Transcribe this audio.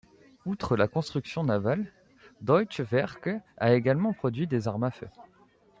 Outre la construction navale, Deutsche Werke a également produit des armes à feu.